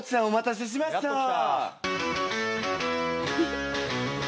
お待たせしました。